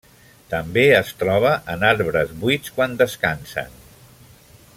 També es troba en arbres buits quan descansen.